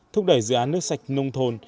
thúc đẩy dự án nước sạch nông thôn